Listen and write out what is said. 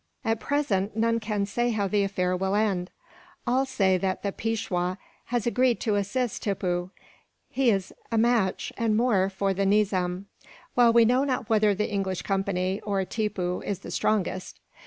"At present, none can say how the affair will end. All say that the Peishwa has agreed to assist Tippoo. He is a match, and more, for the Nizam; while we know not whether the English company, or Tippoo, is the strongest.